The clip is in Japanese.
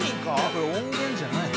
「これ音源じゃないの？」